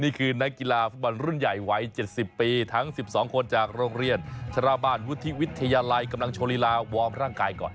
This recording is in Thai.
นี่คือนักกีฬาฟุตบอลรุ่นใหญ่วัย๗๐ปีทั้ง๑๒คนจากโรงเรียนชราบาลวุฒิวิทยาลัยกำลังโชว์ลีลาวอร์มร่างกายก่อน